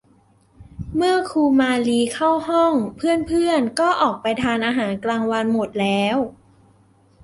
เมื่อครูมาลีเข้าห้องเพื่อน ๆ ก็ออกไปทานอาหารกลางวันหมดแล้ว